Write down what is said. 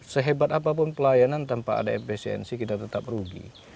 sehebat apapun pelayanan tanpa ada efisiensi kita tetap rugi